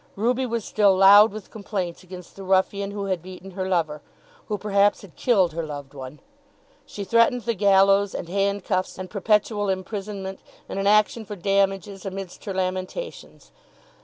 Ruby was still loud with complaints against the ruffian who had beaten her lover, who, perhaps, had killed her loved one. She threatened the gallows, and handcuffs, and perpetual imprisonment, and an action for damages amidst her lamentations.